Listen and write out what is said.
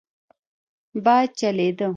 باد چلېده.